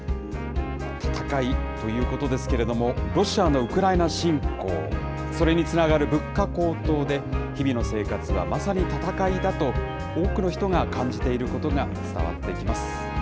戦いということですけれども、ロシアのウクライナ侵攻、それにつながる物価高騰で、日々の生活はまさに戦いだと、多くの人が感じていることが伝わってきます。